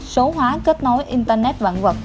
số hóa kết nối internet vạn vật